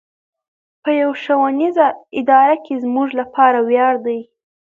په يوه ښوونيزه اداره کې زموږ لپاره وياړ دی.